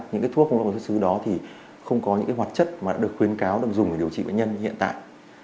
những cái thuốc không rõ nguồn gốc xuất xứ đó thì không có những cái hoạt chất mà đã được khuyến cáo đồng dùng để điều trị bệnh nhân hiện tại